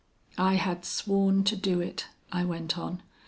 'I had sworn to do it,' I went on.